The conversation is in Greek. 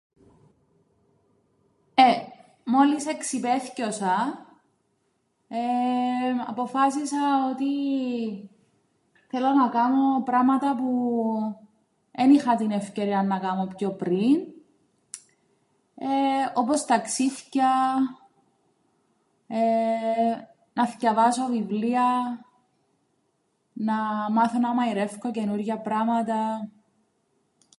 Ε, μόλις εξιπαίθκιωσα εεεμ αποφάσισα ότι θέλω να κάμω πράματα που εν είχα την ευκαιρίαν να κάμω πιο πριν, εεε όπως ταξίθκια, εεεε να θκιαβάσω βιβλία, να μάθω να μαειρεύκω καινούργια πράματα.